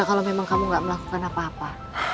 kalau memang kamu gak melakukan apa apa